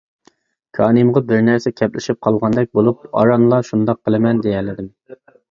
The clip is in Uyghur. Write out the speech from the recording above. كانىيىمغا بىر نەرسە كەپلىشىپ قالغاندەك بولۇپ ئارانلا «شۇنداق قىلىمەن» دېيەلىدىم.